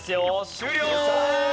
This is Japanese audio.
終了！